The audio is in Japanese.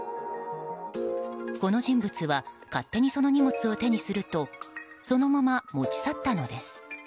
この人物は、勝手にその荷物を手にするとそのまま持ち去ったのです。